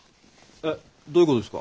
えどういうことですか？